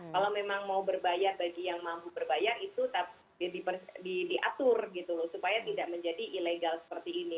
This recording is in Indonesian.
kalau memang mau berbayar bagi yang mampu berbayar itu diatur gitu loh supaya tidak menjadi ilegal seperti ini